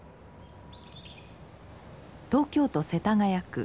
東京都世田谷区。